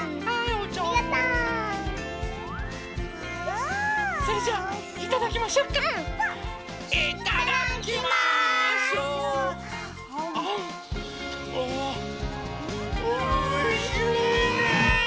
おいしいね！